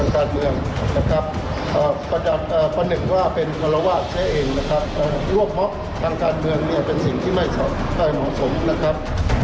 อยากเชื่อเองนะครับยวกมะทางการเมืองเนี่ยเป็นสิ่งที่ไม่สอดใต้เหมาสมนะครับ